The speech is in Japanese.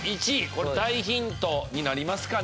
これ大ヒントになりますかね。